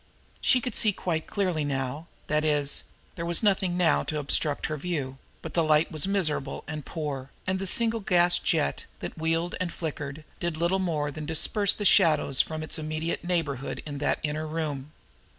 She could see quite clearly now that is, there was nothing now to obstruct her view; but the light was miserable and poor, and the single gas jet that wheezed and flickered did little more than disperse the shadows from its immediate neighborhood in that inner room.